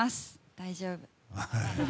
大丈夫。